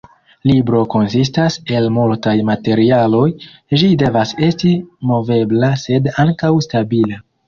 Libro konsistas el multaj materialoj, ĝi devas esti movebla sed ankaŭ stabila.